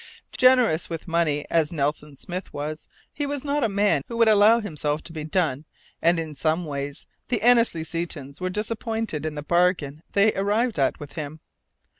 Generous with money as "Nelson Smith" was, he was not a man who would allow himself to be "done," and in some ways the Annesley Setons were disappointed in the bargain they arrived at with him.